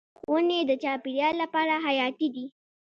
ونې د چاپیریال لپاره حیاتي دي.